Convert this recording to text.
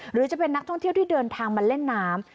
หรือจะเป็นนักท่องเที่ยวที่เดินทางมาเล่นน้ำ